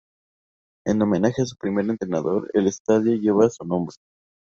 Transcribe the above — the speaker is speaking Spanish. En homenaje a su mejor entrenador, el estadio lleva su nombre.